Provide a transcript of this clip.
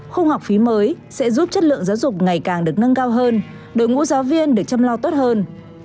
khung học phí mới sẽ giúp chất lượng giáo dục ngày càng được nâng cao hơn đội ngũ giáo viên để chăm lo tốt hơn